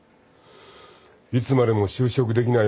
いつまでも就職できない